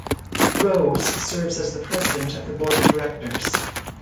Rose serves as the President of the Board of Directors.